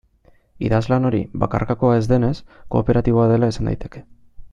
Idazlan hori, bakarkakoa ez denez, kooperatiboa dela esan daiteke.